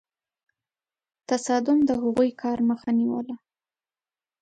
تصادم د هغوی کار مخه نیوله.